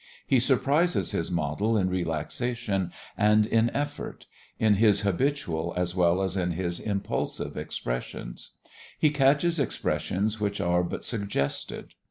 He surprises his model in relaxation and in effort, in his habitual as well as in his impulsive expressions; he catches expressions which are but suggested.